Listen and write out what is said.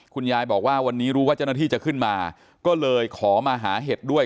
คุณยายบอกว่าวันนี้รู้ว่าเจ้าหน้าที่จะขึ้นมาก็เลยขอมาหาเห็ดด้วย